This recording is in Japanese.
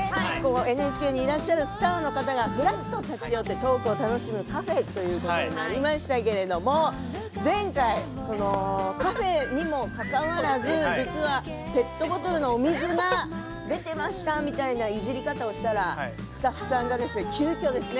ＮＨＫにいらっしゃるスターの方がぶらっと立ち寄ってトークを楽しむカフェということになりましたけれども前回カフェにもかかわらず実はペットボトルの水が出てましたみたいないじり方をしたらスタッフさんが急きょですね